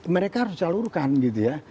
mereka harus disalurkan gitu ya